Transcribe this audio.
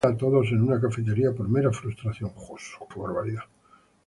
En su primera aparición, mata a todos en una cafetería por mera frustración.